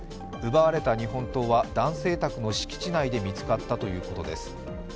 奪われた日本刀は男性宅の敷地内で見つかったということです。